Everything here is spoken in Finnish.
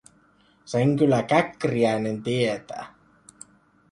Sen kyllä Käkriäinen tietää.